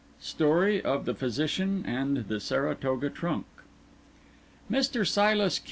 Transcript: STORY OF THE PHYSICIAN AND THE SARATOGA TRUNK Mr. Silas Q.